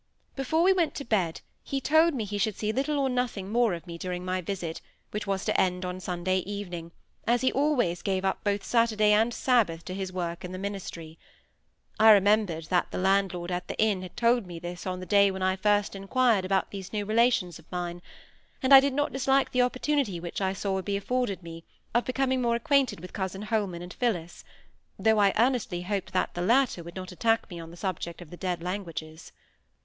Before we went to bed he told me he should see little or nothing more of me during my visit, which was to end on Sunday evening, as he always gave up both Saturday and Sabbath to his work in the ministry. I remembered that the landlord at the inn had told me this on the day when I first inquired about these new relations of mine; and I did not dislike the opportunity which I saw would be afforded me of becoming more acquainted with cousin Holman and Phillis, though I earnestly hoped that the latter would not attack me on the subject of the dead languages.